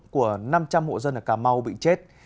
của năm trăm linh hộ dân ở cà mau bị chết